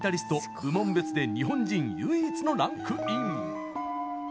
部門別で日本人唯一のランクイン。